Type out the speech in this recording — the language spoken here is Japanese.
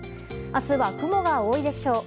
明日は雲が多いでしょう。